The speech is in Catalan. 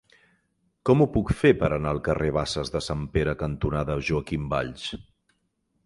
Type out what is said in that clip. Com ho puc fer per anar al carrer Basses de Sant Pere cantonada Joaquim Valls?